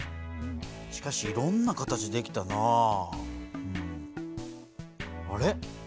しかしいろんな形できたなぁ。あれ？